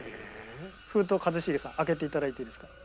封筒一茂さん開けていただいていいですか？